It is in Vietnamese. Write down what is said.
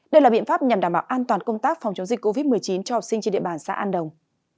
đây là biện pháp nhằm đảm bảo an toàn công tác phòng chống dịch covid một mươi chín cho học sinh trên địa bàn xã an đồng